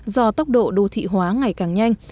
do tốc độ đô thị hóa ngày càng nhanh